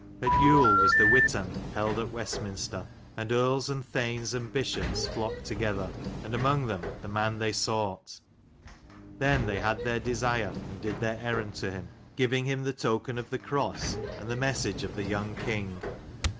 At Yule was the Witan held at Westminster, and earls and thanes and bishops flocked together; and among them the man they sought. Then they had their desire and did their errand to him, giving him the token of the cross and the message of the young king.